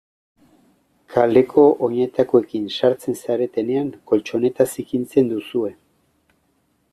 Kaleko oinetakoekin sartzen zaretenean koltxoneta zikintzen duzue.